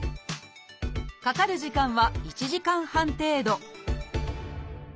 かかる時間は１時間半程度